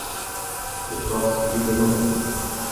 De tocht giet deroan.